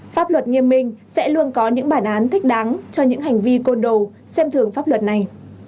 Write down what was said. pháp luật nghiêm minh sẽ luôn có những bản án thích đáng cho những hành vi côn đồ xem thường pháp luật này